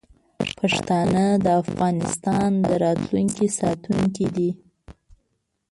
پښتانه د افغانستان د راتلونکي ساتونکي دي.